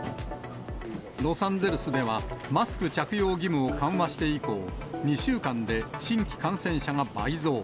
ロサンゼルスでは、マスク着用義務を緩和して以降、２週間で新規感染者が倍増。